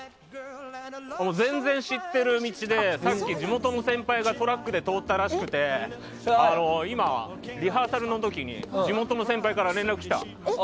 全然知ってる道でさっき地元の先輩がトラックで通ったらしくてリハーサルの時に地元の先輩から連絡が来た。